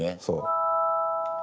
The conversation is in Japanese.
そう。